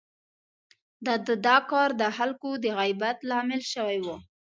د ده دا کار د خلکو د غيبت لامل شوی و.